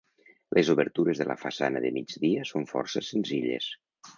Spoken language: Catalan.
Les obertures de la façana de migdia són força senzilles.